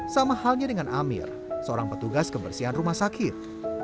sama halnya dengan amir seorang petugas kebersihan rumah sakit